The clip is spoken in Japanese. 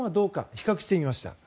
比較してみました。